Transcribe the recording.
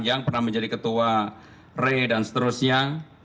pak enggar pernah menjadi ketua ri dan seterusnya